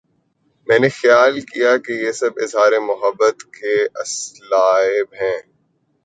میں نے خیال کیا کہ یہ سب اظہار محبت کے اسالیب ہیں۔